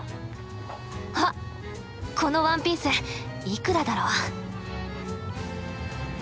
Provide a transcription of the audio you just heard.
あっこのワンピースいくらだろう？